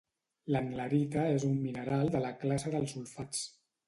L'antlerita és un mineral de la classe dels sulfats